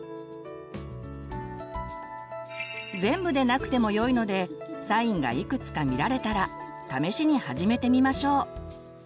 全部でなくてもよいのでサインがいくつか見られたら試しに始めてみましょう。